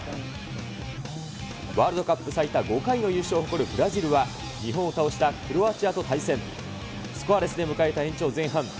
ワールドカップ最多５回の優勝を誇るブラジルは、日本を倒したクロアチアと対戦。スコアレスで迎えた延長前半。